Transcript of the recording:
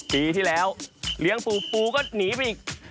ปีที่แล้วเลี้ยงปูปูก็หนีไปอีก